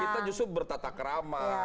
kita justru bertata kerama